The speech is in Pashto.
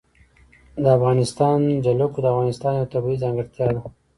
د افغانستان جلکو د افغانستان یوه طبیعي ځانګړتیا ده.